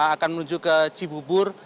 akan menuju ke cibubur